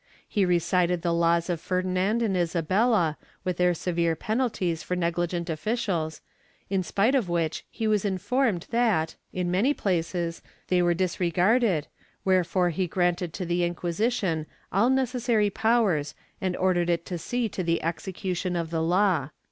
He recited the laws of Ferdinand and Isabella, with their severe penalties for negligent officials, in spite of which he was informed that, in many places, they were disregarded, wherefore he granted to the Inquisition all necessary powers and ordered it to see to the execution of the law.